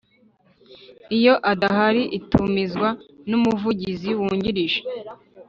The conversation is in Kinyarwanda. Iyo adahari itumizwa n umuvugizi wungirije